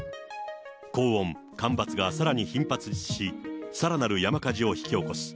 高温、干ばつがさらに頻発し、さらなる山火事を引き起こす。